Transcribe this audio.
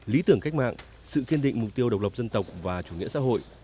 lý tưởng cách mạng sự kiên định mục tiêu độc lập dân tộc và chủ nghĩa xã hội